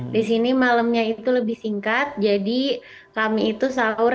di sini malamnya itu lebih singkat jadi kami itu sahur